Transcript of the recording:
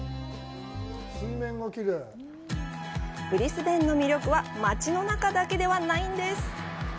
ブリスベンの魅力は街の中だけではないんです。